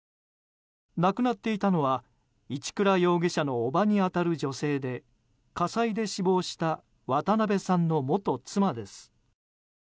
亡くなっていたのは一倉容疑者の伯母に当たる女性で火災で死亡した渡辺さんの元妻です。